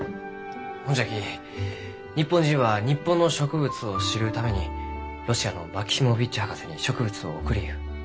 ほんじゃき日本人は日本の植物を知るためにロシアのマキシモヴィッチ博士に植物を送りゆう。